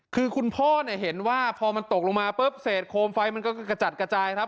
คือคุณพ่อเนี่ยเห็นว่าพอมันตกลงมาปุ๊บเศษโคมไฟมันก็กระจัดกระจายครับ